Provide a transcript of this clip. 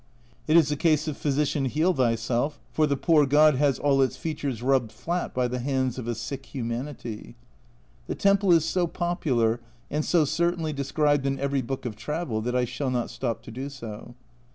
It is a case of physician heal thyself, for the poor god has all its features rubbed flat by the hands of a sick humanity. The temple is so popular and so certainly described in every book of travel, that I shall not stop to do so.